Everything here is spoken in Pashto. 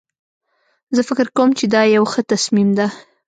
زه فکر کوم چې دا یو ښه تصمیم ده